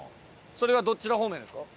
それはどっちの方面ですか？